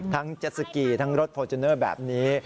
เจ็ดสกีทั้งรถฟอร์จูเนอร์แบบนี้